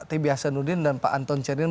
t b hasanudin dan pak anton cerin